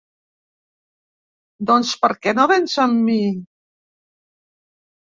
Doncs per què no véns amb mi?